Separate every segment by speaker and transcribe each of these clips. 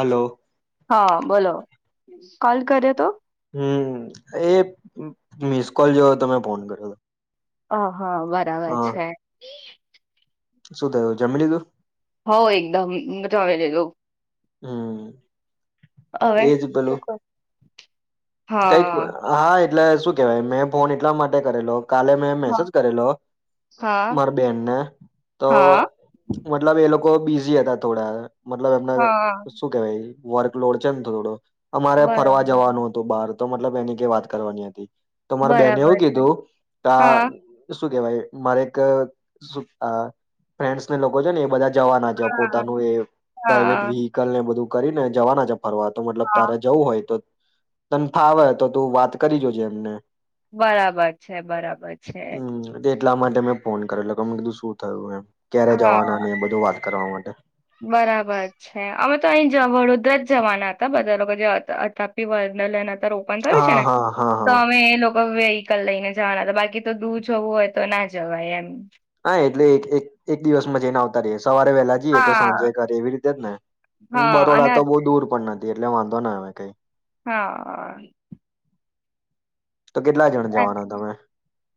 Speaker 1: Hello
Speaker 2: હા બોલો, call કર્યો હતો.
Speaker 1: હમ, એ મિસ કોલ જો. તમે ફોન કર્યો હતો.
Speaker 2: હા. હા, બરાબર
Speaker 1: હા
Speaker 2: છે.
Speaker 1: શું થયું, જમી લીધું?
Speaker 2: હો એકદમ જમી લીધું.
Speaker 1: હમ!
Speaker 2: હવે
Speaker 1: એજ
Speaker 2: હું
Speaker 1: પેલું
Speaker 2: કરું?
Speaker 1: કઈક હા એ. એટલે શું કેવાય? મેં ફોન એટલા માટે કરેલો. કાલે મેં
Speaker 2: હા
Speaker 1: મેસેજ કરેલો,
Speaker 2: હા
Speaker 1: મારા બેનને. તો મતલબ એ લોકો. બો બિઝી હતા થોડા. મતલબ એમને
Speaker 2: હા
Speaker 1: શું કેવાય? વર્કલોડ છે ને, થોડો. અમારે ફરવા
Speaker 2: બરાબર
Speaker 1: જવાનું. બહાર તો મતલબ, એની કે વાત કરવાની હતી. તો મારે બેને
Speaker 2: બરાબર
Speaker 1: એવું
Speaker 2: છે
Speaker 1: કીધું, તા
Speaker 2: હા
Speaker 1: શું કેવાય? મારે એક અ ફ્રેન્ડસને લોકો છે ને, એ બધા. જવાના છે.
Speaker 2: હા
Speaker 1: પોતાનું એ પ્રાઈવેટ
Speaker 2: હા
Speaker 1: વેહિકલ ને બધું કરીને જવાના જ ફરવા તો મતલબ
Speaker 2: હા
Speaker 1: તારે જવું હોય તો તને ફાવે તો તું વાત કરી જોજે એમને.
Speaker 2: બરાબર છે, બરાબર છે.
Speaker 1: હમ એટલા માટે મેં ફોન કરેલો કે મેં કીધું શું થયું, એમ. ક્યારે
Speaker 2: હા
Speaker 1: જવાના ને એ બધું વાત કરવા માટે
Speaker 2: બરાબર છે અમે તો અહીં જ વડોદરા જ જવાના હતા બધા લોકો જે અત અતાપી વર્ડલેન્ડ હ ઓપન થયું છે
Speaker 1: હા
Speaker 2: ને
Speaker 1: હા હા
Speaker 2: તો
Speaker 1: હા
Speaker 2: અમે એ લોકો [unintelligible] હીકલ લઈને જવાના હતા બાકી તો દૂર જવું હોય તો ના જવાય એમ.
Speaker 1: હા એટલે એક એક એક દિવસમાં જઈને આવતા રઈએ શ સવારે વહેલા જઈએ તો
Speaker 2: હા
Speaker 1: સાંજે કરે એવી રીતે જ ને?
Speaker 2: હા
Speaker 1: બરોડા
Speaker 2: અને
Speaker 1: તો બહુ દૂર પણ ન થી એટલે વાંધો ના આવે કઈ.
Speaker 2: હા.
Speaker 1: તો કેટલા જણ જવાના તમે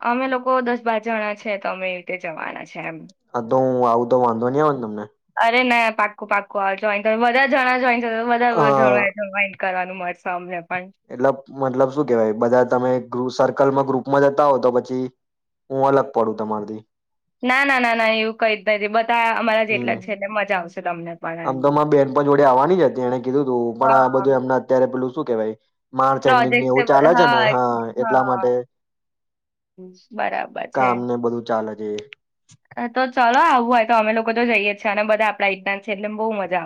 Speaker 2: અમે લોકો દસ બાર જણા છે તો અમે તે જવાના છે એમ.
Speaker 1: હા તો હું આવું તો વાંધો નઈ આવે ને તમને?
Speaker 2: કુ પાકું આવજો અહીં બધા જણા જોઈન વધાર
Speaker 1: હા
Speaker 2: જવાય જવાય કરવાનું મળશે અમને પણ.
Speaker 1: એટલે મતલબ શું કેવાય બધા તમે એક ગૃપ સર કલમાં ગ્રુપમાં જતા હોવ તો પછી હું અલગ પડું તમારથી.
Speaker 2: ના ના ના ના એવું કઈ જ નથી બ
Speaker 1: હમ્મ, આમ
Speaker 2: પણ
Speaker 1: તો
Speaker 2: એમ.
Speaker 1: અમાર બેન પણ જોડે આવવાની જ હતી એને કીધું તું પણ આ
Speaker 2: હા
Speaker 1: બધું એમને અત્યારે પેલું શું કેવાઈ માર્ચ એન્ડિંગ ની
Speaker 2: પ્રોજેક્ટ
Speaker 1: એવું ચાલે
Speaker 2: બધા
Speaker 1: છે ને હા એટલા
Speaker 2: હા
Speaker 1: માટે કામ ને બધું ચાલે છ. હમ્મ.
Speaker 2: એતો છ ચાલો આવવું હોય તો અમે લોકો તો જઈએ જ છીએ અને બધા આપણા એજના જ છે એટલે મ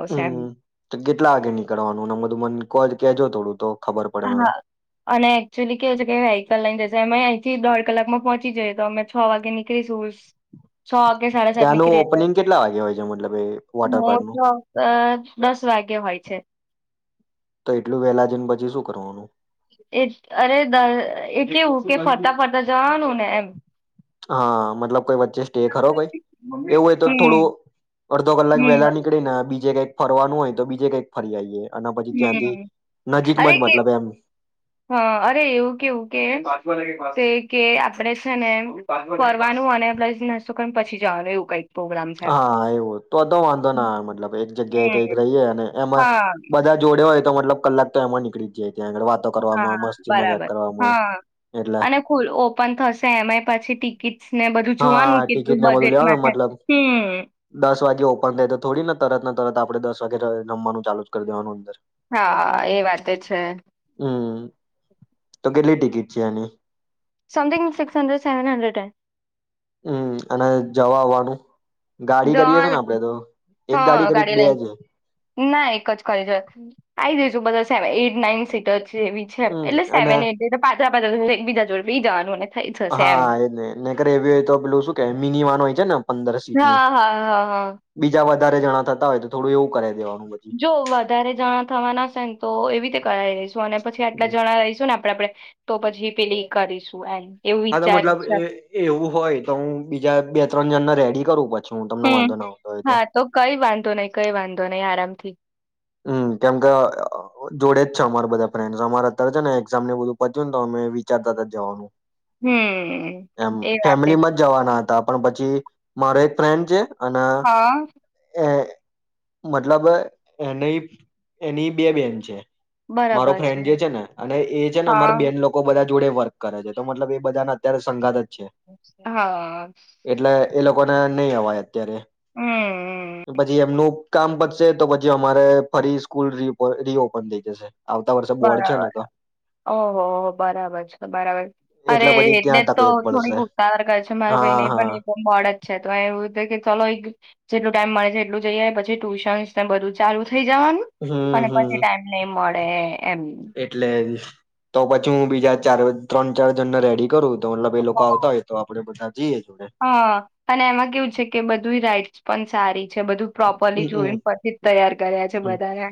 Speaker 1: હમ્મ, તો કેટલા વાગે નીકળવાનું ને આમ બધું મને કો કેજો થોડું. તો ખબર પડે મને
Speaker 2: હા અને એકચુઅલી કેવું છે કે વેહિકલ લઈને જશે એમેય અહીંથી દોઢ કલાકમાં પહોંચી જઈએ તો અમે છ વાગે નીકળીશું. છ કે સાડા સાત
Speaker 1: ત્યાંનું
Speaker 2: નીકળીએ તો
Speaker 1: ઓપનિંગ કેટલા વાગે હોય છે મતલબ એ વોટરપાર્કનું
Speaker 2: મોસ્ટ ઓફ દસ વાગે હોય છે.
Speaker 1: તો એટલું વેહલા જેઈન પછી શું? કરવાનું.
Speaker 2: અરે એ કેવું કે ફરતા ફરતા જવાનું ને એમ
Speaker 1: હા મતલબ કોઈ વચ્ચે સ્ટે ખરોો કોઈ એવું હોય તો
Speaker 2: હમ
Speaker 1: થોડું અડધો કલાક
Speaker 2: હમ
Speaker 1: વહેલા નીકળી ને બીજે કઈક ફરવાનું હોય તો બીજે કઈક ફરીયઈએ
Speaker 2: હમ અરે કે
Speaker 1: મતલબ એમ
Speaker 2: હા અરે એવું કેવું કેમ કે આપડે છે ને ફરવાનું અને આપડે નાસ્તો કરીને પછી જવાનું એવું કઈ
Speaker 1: હા એવું તો તો વાંધો ના મતલબ એક જગ્યાએ
Speaker 2: હમ
Speaker 1: કઈ રહીએ અને એમાં
Speaker 2: હા
Speaker 1: બધા જોડયો હોય. તો મતલબ કલાક તો એમાં નીકળી જાય. ત્યાં આગળ વાતો
Speaker 2: હા
Speaker 1: કરવામાં મસ્તી મજાક
Speaker 2: બરાબર
Speaker 1: કરવામાં
Speaker 2: હા
Speaker 1: એટલે
Speaker 2: અને ખુ ઓપન થશે એમાંય પછી ટિકિટસને બધું
Speaker 1: હા
Speaker 2: જોવાનું
Speaker 1: ટિકિટ
Speaker 2: કેટલું
Speaker 1: ને બધું
Speaker 2: બજેટમાં
Speaker 1: લેવાનું
Speaker 2: છે
Speaker 1: મતલબ
Speaker 2: હ.
Speaker 1: દસ વાગે ઓપન થાય તો થોડી નથી. તરત ના તરત આપડે દસ વાગેરે જમવાનું ચાલુ જ કરી દેવાનું અંદર
Speaker 2: હા એ વાતે છે.
Speaker 1: ઘિરજાની
Speaker 2: something six hundred seven hundred
Speaker 1: હમ અને જવા આવવાનું ગાડી કરીએ છે ને આપડે તો
Speaker 2: હ
Speaker 1: એક કરી
Speaker 2: ગાડી
Speaker 1: બે છે
Speaker 2: લઈને ના એક જ કરી જો આય જઈશું બધા. સેવન એટ નાઇન સિટર એવી છે
Speaker 1: હમ
Speaker 2: એટલે
Speaker 1: અને
Speaker 2: સેવન એટ [unintelligible] એક બીજા જોડ બી જવાનુંને
Speaker 1: હા એ નને નકર એવી હોય તો પેલું શું કે મિની વાન હોય છે મ
Speaker 2: હા હા હા હા
Speaker 1: બીજા વધારે જણા થતા હોય તો થોડું એવું કર દેવાનું. પછી
Speaker 2: જો વધારે જણા થવાના હશે ને તો એવી રીતે કરાવી રઈશું અને પછી આટલા જણા રઈશું ને આપ આપડે તો પછી પેલી કરીશું એમ એવું
Speaker 1: હા તો
Speaker 2: વિચાર્યું
Speaker 1: મતલબ
Speaker 2: છે
Speaker 1: એવું હોય તો હું બીજા બે ત્રણ જ્ણને રેડી કરું પડ
Speaker 2: હમ હા તો કઈ વાંધો નહી કઈ વાંધો ધો નઈ આરામથી.
Speaker 1: હમ કેમકે જોડે જ છે અમારા બધા ફ્રેન્ડ અમારા અત્યારે છે ને એઝામ ને બધું પત્યું ને તો અમે વિચારતા હતા જવાનું.
Speaker 2: હમ
Speaker 1: એમ
Speaker 2: એ વાતે છે
Speaker 1: ફેમિલીમાં જ જવાના હતા. પણ પછી મારો એક ફ્રેન્ડ છે અને
Speaker 2: હા
Speaker 1: એ મતલબ એની એની બે બેન છે. મારો ફ્રેન્ડ જે છે ને અને એ છે ને મારે
Speaker 2: હા
Speaker 1: બેન લોકો બધા જોડે વર્ક કરે છે, તો મતલબ એ બધાને અત્યારે સઘાત જ છે
Speaker 2: હા
Speaker 1: કોને નહી અવા અત્યારે
Speaker 2: હમ
Speaker 1: પછી એમનું કામ પતશે તો જે અમારે ફરી સ્કૂલ રીઓપન થઈ જશે, આવતા વર્ષે બોર્ડ છે
Speaker 2: બરાબર
Speaker 1: ને તો
Speaker 2: ઓહો હો બરાબર છે બરાબર અરે
Speaker 1: પછી
Speaker 2: એટલે જ
Speaker 1: ત્યાં
Speaker 2: તો
Speaker 1: તકલીફ પડશે
Speaker 2: થોડીક ઉતાર કર છે મારા ભાઈને
Speaker 1: હા
Speaker 2: પણ
Speaker 1: હા
Speaker 2: એ મળ જ છે, તો એવું કે ચલો એક જેટલું ટાઈમ મળે છે એટલું જઈએાય પછી ટ્યુશનસ ને બધું ચાલુ, થઈ જવાનું
Speaker 1: હમ
Speaker 2: અને પછી
Speaker 1: હમ
Speaker 2: ટાઈમ નઈ મળે [unintelligible]
Speaker 1: એટલે તો પછી હું બીજા ચાર ત્રણ ચાર જણને રેડી કરું, તો બે લોકો આવતા હોય તો આપે બધા જઈએ જોડે
Speaker 2: હ અને એમાં કેવું છે કે બધું રાઈટ પનચારી
Speaker 1: હમમ
Speaker 2: કર્યા છે બધાને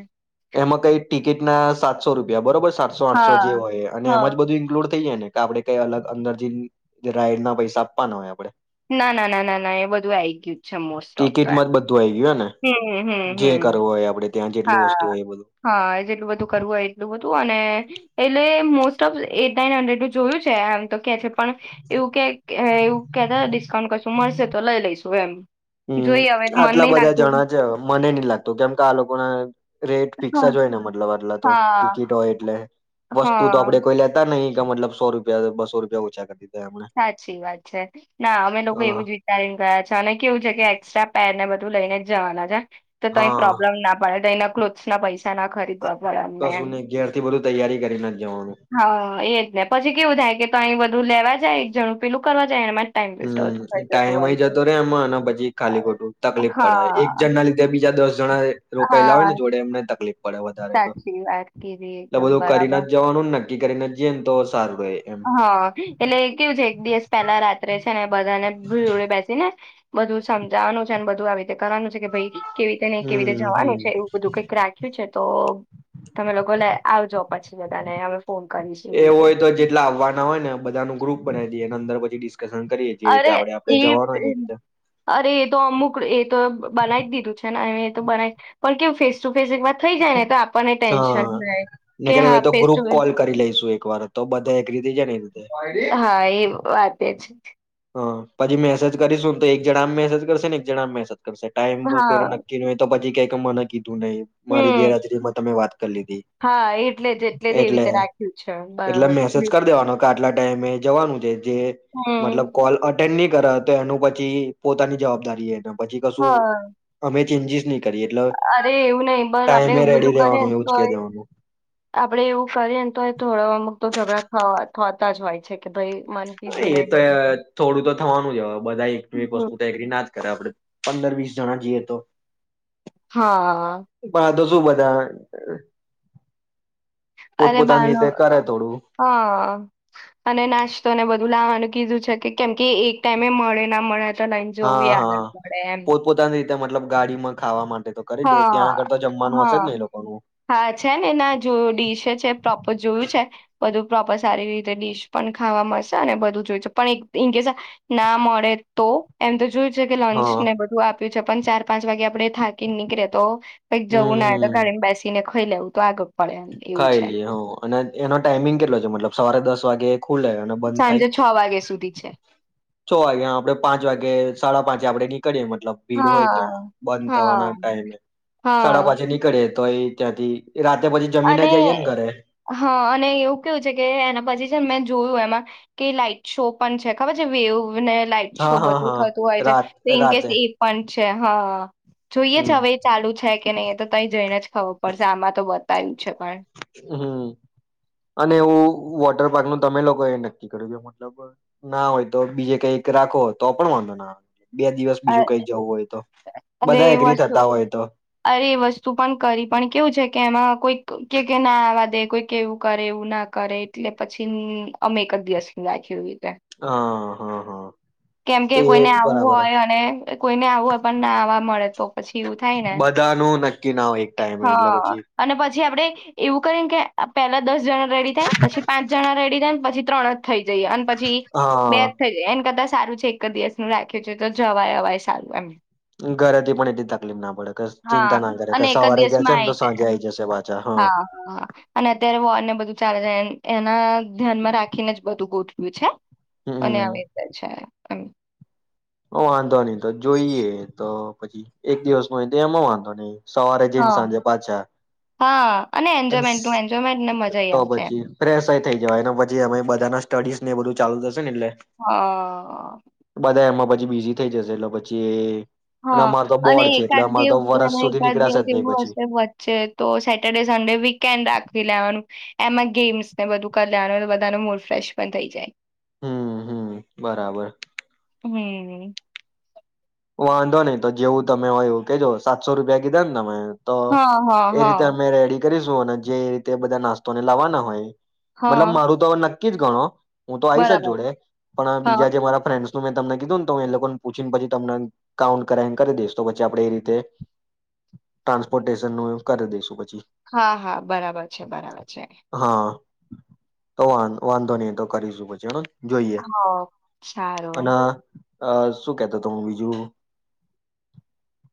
Speaker 1: એમાં કઈ ટિકિટ ના સાતસો રૂપિયા બરોબર સાતસો આઠસો જે
Speaker 2: હા
Speaker 1: હોય, અને એમાં
Speaker 2: હા
Speaker 1: જ બધું ઈન્કલુડ થઈ જાય ને? આપડે કઈ અલગ અંદરજી રાઈડ ના પૈસા આપવાના હોય આપડે
Speaker 2: ના ના ના ના ના એ બધું આવી ગયું જ છે મોસ્ટ ઓફ તો એમ
Speaker 1: તુ આવી ગયોને
Speaker 2: હમ હમ
Speaker 1: જે
Speaker 2: હમ
Speaker 1: કરવું હોય આપડે ત્યાં જેટલું
Speaker 2: હા
Speaker 1: વસ્તુ હોય એ બધું
Speaker 2: હા જેટલું બધું કરવું હોય એટલું બધું અને એટલે મોસ્ટ ઓફ એટ નાઈન હંડ્રેડું જોયું છે, એમ તો કે છે. પણ એવું કે એવું કેતા કશું મળશે તો લઈ લઈશું એમ
Speaker 1: હમ
Speaker 2: જોઈ હવે મન
Speaker 1: આટલા
Speaker 2: નહી
Speaker 1: બધા
Speaker 2: લાગતું
Speaker 1: પણા રેટ
Speaker 2: કે-
Speaker 1: પિક્સા જો હોય ને મતલબ. પેલા તો
Speaker 2: હા
Speaker 1: ટિકિટ હોય એટલે વસ્તુ તો
Speaker 2: હા
Speaker 1: આપડે કોઈ લેતા નહી, ક મતલબ સો રૂપિયા બસો રૂપિયા ઓછા કરતી હતી
Speaker 2: સાચી વાત છે, ના અમે લોકો એવું
Speaker 1: હ
Speaker 2: જ વિચારીને ગયા છે, અને કેવું છે કે એક્સ્ટ્રા પેર ને બધા લઈને જાના જ તો તઈ
Speaker 1: હા
Speaker 2: પ્રોબ્લેમ ના પડે [unintelligible] ક્લોથસ ના પૈસા ના ખરી
Speaker 1: કશું નહી ઘેરથી બધું તૈયારી કરીને જ જવાનું
Speaker 2: [unintelligible] હા એ જ ને પછી કેવું થાય કે તો તઇ [unintelligible] લેવા જાય એક જણું પેલું કરવા જાય એનામાં
Speaker 1: હમ્મ ટાઈમય જતો રે એમાં અને પછી ખાલી
Speaker 2: હોય છે.
Speaker 1: ખોટું તકલીફ પડે એક
Speaker 2: હા
Speaker 1: જણ ના લીધે બીજા દસ જણા રોકેલા હોય
Speaker 2: હા
Speaker 1: ને જોડે એમને તકલીફ પડે વધારે તો
Speaker 2: સાચી વાત કીધી
Speaker 1: એટલે
Speaker 2: એકદમ
Speaker 1: બધું કરીને
Speaker 2: બરાબર
Speaker 1: જ જવાનું નક્કી કરીને જઈએ ને તો સારું રહે એમ
Speaker 2: હા એટલે કેવું છે એક દિવસ પેલા રાત્રે છે ને બધા ને [unintelligible] બેસી ને બધું સમજાવાનું છે અને બધું આવી રીતે કરવાનું છે કે ભાઈ કેવી રીતેને કેવી રીતે
Speaker 1: હમ હમ
Speaker 2: જવાનું છે એવું બધું કંઈક રાખ્યું છે. તો તમે લોકો લે આવજો પછી જતા ને
Speaker 1: એ હોય તો જેટલા આવવાના હોય ને બધા નું ગ્રુપ બનાવી અંદર પછી ડીશ
Speaker 2: અરે એ
Speaker 1: રીતે
Speaker 2: અરે એ તો અમુક એ તો બનાવી જ દીધું છે ને [unintelligible] પણ કેવું ફેસ ટુ ફેસ એક થઈ જાય ને તો આપ
Speaker 1: હા [unintelligible] તો
Speaker 2: face
Speaker 1: group
Speaker 2: to face
Speaker 1: call કરી લઈશું એક વાર તો બધા એગ્રી થઈ જાય ને એ રીતે
Speaker 2: હા એ વાતે છ
Speaker 1: હ પછી મેસેજ કરીશું તો એક જણા આમ મેસેજ કરશે ને એક જણા આમ મેસેજ ટાઈમ કોઈ કોઈને
Speaker 2: હા
Speaker 1: નક્કી ન હોય તો પછી કે [unintelligible] મારી
Speaker 2: હમ
Speaker 1: ગેરહાજરીમાં તમે વાત કરી લીધી
Speaker 2: હા એટલે જ જ એવી
Speaker 1: એટલે
Speaker 2: રીતે રાખ્યું છે
Speaker 1: એટલે
Speaker 2: બરાબર
Speaker 1: મેસેજ કરી દેવાનો આટલા ટાઈમે જવાનું છે જે
Speaker 2: હમ
Speaker 1: મતલબ અલ અટેન્ડ ની કર તો એનું પછી પોતાની જવાબદારી એ પછી કશું
Speaker 2: હા
Speaker 1: અમે ચેન્જીસ ની
Speaker 2: અરે એવું નઈ બર આપડે એવું
Speaker 1: રેડી
Speaker 2: બધું
Speaker 1: રહેવાનું
Speaker 2: કરીએને
Speaker 1: એવું જ કહી
Speaker 2: તોય
Speaker 1: દેવાનું.
Speaker 2: આપડે એવું કરીએને તોય થોડા વારમાં તો ઝઘડા થ થતા જ હોય છે કે ભાઈ મને
Speaker 1: નય
Speaker 2: કીધું
Speaker 1: એ
Speaker 2: નહીં
Speaker 1: તો
Speaker 2: બધું
Speaker 1: થોડું તો થવાનું જ અવા બધા [unintelligible] વસ્તુ
Speaker 2: હમ.
Speaker 1: તો એગ્રી ના જ કરે આપડે પંદર વીસ જણા જીએ તો
Speaker 2: હા. હા
Speaker 1: પણ આ તો શું બધા [unintelligible]
Speaker 2: અને
Speaker 1: પોતપોતાની
Speaker 2: બાનો
Speaker 1: રીતે કરે થોડું
Speaker 2: હા અને નાસ્તોને બધો... ું લાવવાનું કીધું છે કે કેમ કે એક ટાઈમે મળે ના મળે તો લઈને જોવું
Speaker 1: હા
Speaker 2: એ
Speaker 1: હા.
Speaker 2: આલળ પડે એમ
Speaker 1: પોતપોતાની મતલબ ગાડીમાં ખાવા માટે... તો કરી લઈએ ત્યાં
Speaker 2: હા
Speaker 1: આગળ તો જમવાનું હશે જ
Speaker 2: હા
Speaker 1: ને એ લોકોનું.
Speaker 2: હા છે ને એના જોયું ડીશે છે પ્રોપર જોયું છે બધું પ્રોપર સારી રીતે ડીશ પણ ખાવા મળશે અને બધું જોય છે પણ ઇન કેસ ના મળે તો એમ તો જોય જગ લોન્ચ
Speaker 1: હા
Speaker 2: ને બધું આપ... છે પણ ચાર પાંચ વાગે આપડે થા.... ન્ની કરિરે તો કઈક
Speaker 1: હમ
Speaker 2: જવું ના તો
Speaker 1: હમ.
Speaker 2: ગાડી બ બેસીને નલવું તો આગળ પડે એમ એવું
Speaker 1: ખાઈ
Speaker 2: છે.
Speaker 1: લઈએ હ અને એનો ટાઈમિંગ કેટલો છે મતલબ સવારે દસ વાગે ખુલે બંધ થાય
Speaker 2: સાંજે છ વાગ્યા સુધી છે.
Speaker 1: છ વાગ્યા આપે પાંચ વાગે સાડા પાંચ વાગે આપે ે મતલબ ભીડ
Speaker 2: હા
Speaker 1: હોય ત્યાં બંધ થવાના
Speaker 2: હા.
Speaker 1: ટાઈમે
Speaker 2: હા
Speaker 1: સાડા
Speaker 2: હા.
Speaker 1: પાછે નીકળે તોય ત્યાંથી રાતે.. પછી જમીને
Speaker 2: અને
Speaker 1: જઈએ ને ઘરે
Speaker 2: હા અને એવું કેવું છે કે એના પછી... મેં જોયું એમાં કે લાઈટ શો પણ છે ખબર છે વેવ ને લાઈટ શો
Speaker 1: હા હા
Speaker 2: બધું
Speaker 1: હા
Speaker 2: થતું હોય છે
Speaker 1: રાત
Speaker 2: તો ઇન કેસ
Speaker 1: રાતે
Speaker 2: એ પણ અચ્છા હા જોઈએ
Speaker 1: હમ
Speaker 2: જ હવે એ ચાલુ છે કે નહીં એ તો ત જઈને જ ખબર પડશે આમાં તો બ તં છે
Speaker 1: હમ અને હવું વોટર પાર્ક નું તમે લોકો એ નક્કી કર્યું કે મતલબ ના હોય તો બીજે કઈક રાખો હોય તો પણ વાંધો ના આવે બે દિવસ
Speaker 2: અ
Speaker 1: બીજું કઈ જવું હોય તો
Speaker 2: અરે
Speaker 1: બધા એગ્રી
Speaker 2: વસ્તુ
Speaker 1: થતા હોય તો
Speaker 2: અરે એ વસ્તુ પણ કરી પણ કેવું છે કે એમાં કોઈ... કે કે ના આવા દે કોઈ કે એવું કરે એવું ના કરે એટલે પછી અમે એક જ દિવસ રાખેવી
Speaker 1: હા હા હા
Speaker 2: કેમ કે
Speaker 1: તો એ
Speaker 2: કોઈને આવું
Speaker 1: બરાબર હ
Speaker 2: હોય કોઈને આવું પણ ના આવવા મળે તો પછી એવું થાય ને
Speaker 1: બધાનું નક્કી ના હોય એક ટાઈમે એટલે
Speaker 2: હા
Speaker 1: પછી
Speaker 2: અને પછી આપડે એવું કરી કે પેલા દસ જણા રેડી થાય પછી પાંચ જણા રેડી થાય ને પછી ત્રણ.. થઈ જઈએ અને પછી બે
Speaker 1: હા
Speaker 2: જ થઈ જાય એને કરતા.. સારું છે એક જ દિવસ નું રાખ્યું છે તો જવાય અવાય સારું એમ
Speaker 1: ઘરેથી પણ એટલી તકલીફ ના પડે કશ ચિંતા
Speaker 2: હા
Speaker 1: ના કરે કે
Speaker 2: અને એક જ
Speaker 1: સવારે ગયા છે
Speaker 2: દિવસમાં
Speaker 1: ને તો સાંજે આઈ
Speaker 2: જાય
Speaker 1: જશે પાછા હા.
Speaker 2: હા અને અત્યારે વોર ને બધું ચાલે છે એન- એના ધ્યાનમાં રાખીને જ બધું ગોઠવ્યું છે. અને
Speaker 1: હમ
Speaker 2: આવી રીતે છે. એમ.
Speaker 1: હ વાંધો નહીં તો જોઈએ તો પછી એક દિવસમાં હોય તો એમાં વાંધો નહીં સવારે જઈને
Speaker 2: હા
Speaker 1: સાંજે પાછા
Speaker 2: હા અને
Speaker 1: અન
Speaker 2: એન્જોયમેન્ટનું એન્જોયમેન્ટને મજાઈ
Speaker 1: તો
Speaker 2: આવશે એમ
Speaker 1: પછી ફ્રૈશ એય થઈ જવાય એના પછી એમેય બધાના સ્ટડીઝ ને એ બધું ચાલુ થશ શે ને એટલે
Speaker 2: હા
Speaker 1: બધા એમાં પ છી બીઝી થઈ જશે એટલે પછી એ
Speaker 2: હા અને એકાદ દિવ
Speaker 1: વરસ
Speaker 2: અને
Speaker 1: સુધી
Speaker 2: એકાદ દિવ
Speaker 1: નીકળાશે જ નહી
Speaker 2: એવું
Speaker 1: પછી
Speaker 2: હશે વચ્ચે તો સેટર ડે સન્ડે વીકેન્ડ રાખી લેવાનું. એમાં ગેમ્સ ને બધું કર લેવાનું બધાનો મૂડ ફ્રેશ પણ થઈ જાય.
Speaker 1: હમ્મ હમ્મ બરાબર.
Speaker 2: [unintelligible]
Speaker 1: વાંધો નહીં તો જેવું તમે હોય એવું કેજો સાતસો રૂપિયા કીધા ન તમે? તો
Speaker 2: હ હ
Speaker 1: એ
Speaker 2: હ.
Speaker 1: રીતે અમે રેડી કરીશું અને જે રીતે બધા નાસ્તોને લાવવાના હોય મતલબ
Speaker 2: હા
Speaker 1: મારું તો હવે નક્ ક્કી જ ગણો. હું તો આઈશ જ
Speaker 2: બરાબર
Speaker 1: જોડે પણ
Speaker 2: હા
Speaker 1: બીજા જે મારા ફ્રેન્ડ્સ તો મેં તમને કીધું ને તો એ લોકોને પૂછીને પછી તમને કાઉન્ટ કરાઈને કરી દઈશ તો પછી આપડે એ રીતે ટ્રાન્સપોર્ટેશનનું કરી દેશું પ
Speaker 2: હા હા બરાબર છે બરાબર છે.
Speaker 1: હા તો વા વાંધો નહી તો કરીશું પછી હન જોઈએ
Speaker 2: હા
Speaker 1: અન
Speaker 2: સારું
Speaker 1: અ શું કેતો તો હું બીજું,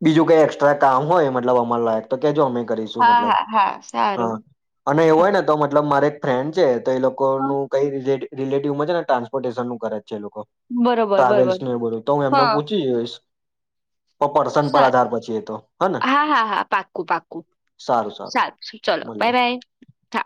Speaker 1: બીજું કઈ એક્સ્ટ્રા કામ હોય મતલબ અમાર લાયક તો કેજો અમે કરીશું
Speaker 2: હા
Speaker 1: મતલબ
Speaker 2: હા હા
Speaker 1: હા
Speaker 2: સારું
Speaker 1: અને એવું
Speaker 2: હા
Speaker 1: હોય ને તો મતલબ મારે ફ્રેન્ડ છે તો એ
Speaker 2: હા,
Speaker 1: લોકોનું કઈ રી [unintelligible] રિલેટીવમાં છે ને ટાન્સપોર્ટેશનનું કરે છે એ લોકો
Speaker 2: બરોબર
Speaker 1: ટ્રાવેલ્સ
Speaker 2: બરોબર
Speaker 1: ને એવું બધું તો હું એમને પૂ જોઈશ. પર પર્સન પર
Speaker 2: સા
Speaker 1: આધાર પછી એ તો હ ને
Speaker 2: હા હા હા પાકું-પાકું સારું ચલો
Speaker 1: મળીએ
Speaker 2: બાય-બાય હા.